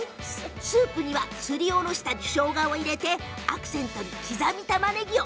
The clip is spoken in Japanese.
スープにはすりおろした、しょうがを入れアクセントには刻みたまねぎを。